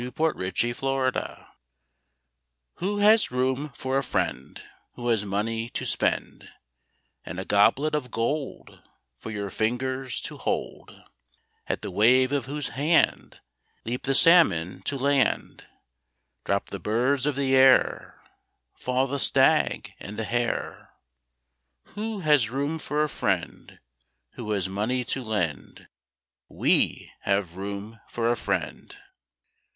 A FRIEND IN NEED Who has room for a friend Who has money to spend, And a goblet of gold For your fingers to hold, At the wave of whose hand Leap the salmon to land, Drop the birds of the air, Fall the stag and the hare. Who has room for a friend Who has money to lend? We have room for a friend!